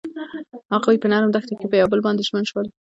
هغوی په نرم دښته کې پر بل باندې ژمن شول.